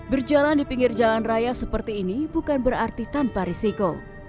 berjalan di pinggir jalan raya seperti ini bukan berarti tanpa risiko